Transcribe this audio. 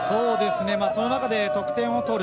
その中で得点を取る。